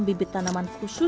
tidak ada masa